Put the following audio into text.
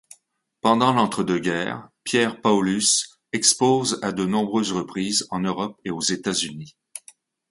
Pendant l'entre-deux-guerres, Pierre Paulus expose à de nombreuses reprises en Europe et aux États-Unis.